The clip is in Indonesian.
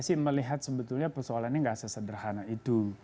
saya sih melihat sebetulnya persoalannya nggak sesederhana itu